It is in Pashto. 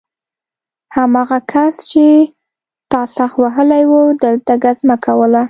هماغه کس چې تا سخت وهلی و دلته ګزمه کوله